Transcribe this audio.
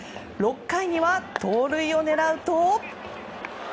６回には盗塁を狙うと。